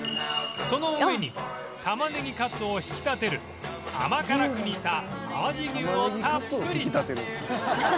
その上にたまねぎカツを引き立てる甘辛く煮た淡路牛をたっぷり